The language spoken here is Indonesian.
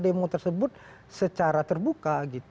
demo tersebut secara terbuka